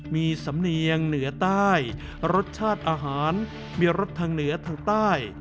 มีสำเนียงเหนือใต้รสชาติอาหารมีรสทางเหนือทางใต้